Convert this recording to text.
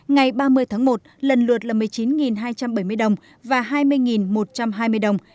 ngày ba mươi tháng một lần lượt là một mươi chín hai trăm bảy mươi đồng và hai mươi một trăm hai mươi đồng